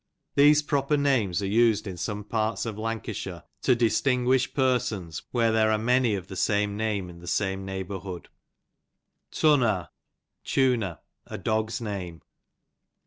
These proper names are iis'd in some parts of Lancashire to distinyuish persons tvhere there fire many of the same name in the same neiyhbourhood. Timor, Tuner, a dog's name.